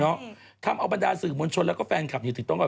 เนาะทำเอาบรรดาสื่อมนตร์ชนแล้วก็แฟนคลับอยู่ถึงตรงไหน